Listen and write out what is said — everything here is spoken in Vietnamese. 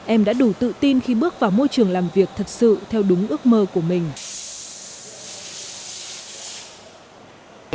em đã đủ tự tin khi bước vào môi trường làm việc thật sự theo đúng ước mơ của mình